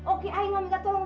oke saya tidak minta tolong